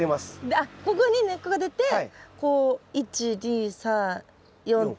あっここに根っこが出てこう１２３４と。